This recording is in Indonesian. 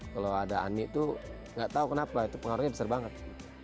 kalau ada ani tuh gak tahu kenapa itu pengaruhnya besar banget